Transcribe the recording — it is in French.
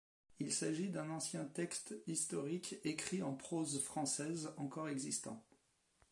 Il s'agit du ancien texte historique écrit en prose française encore existant.